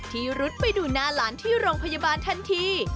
รุดไปดูหน้าหลานที่โรงพยาบาลทันที